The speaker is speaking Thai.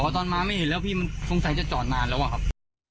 ตอนมาไม่เห็นแล้วพี่มันสงสัยจะจอดนานแล้วอะครับ